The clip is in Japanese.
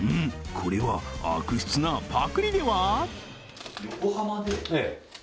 これは悪質なパクリでは？